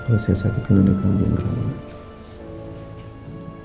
kalau saya sakit kan ada kamu yang merawat